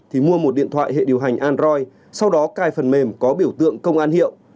thì mua một điện thoại hệ điều hành android sau đó cài phần mềm có biểu tượng công an hiệu